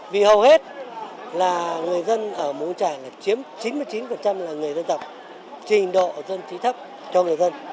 vì hầu hết là người dân ở mô trải chiếm chín mươi chín là người dân tộc trình độ dân trí thấp cho người dân